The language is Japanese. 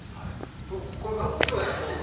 それもこれから置くようになる。